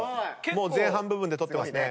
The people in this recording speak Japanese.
もう前半部分で取ってますね。